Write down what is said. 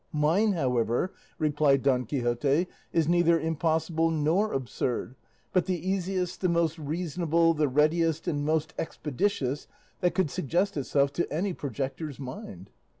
"Mine, however," replied Don Quixote, "is neither impossible nor absurd, but the easiest, the most reasonable, the readiest and most expeditious that could suggest itself to any projector's mind."